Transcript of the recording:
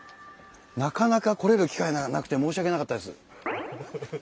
なかなか来れる機会がなくて申し訳なかったです。